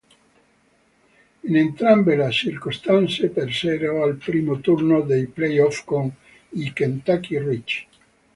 In entrambe le circostanze persero al primo turno dei play-off con i Kentucky Reach.